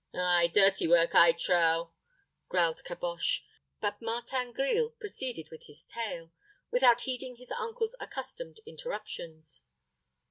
"Ay, dirty work, I trow," growled Caboche; but Martin Grille proceeded with his tale, without heeding his uncle's accustomed interruptions.